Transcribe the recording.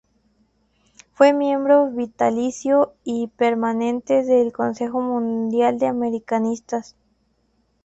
Fue miembro vitalicio y permanente del Consejo Mundial de Americanistas.